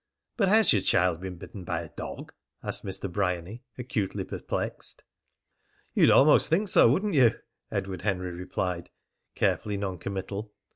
"But has your child been bitten by a dog?" asked Mr. Bryany, acutely perplexed. "You'd almost think so, wouldn't you?" Edward Henry replied, carefully non committal.